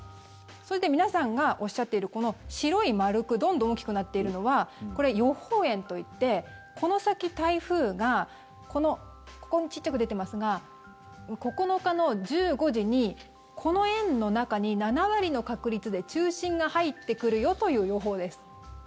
それで皆さんがおっしゃっている白い丸どんどん大きくなっているのはこれは予報円といってこの先、台風がここに小さく出ていますが９日の１５時に、この円の中に７割の確率で中心が入ってくるよという予報です。